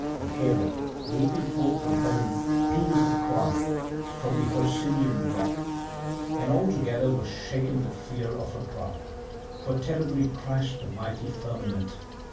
But Hera leaping forth from heaven pealed her cry from the Hercynian rock; and all together were shaken with fear of her cry; for terribly crashed the mighty firmament.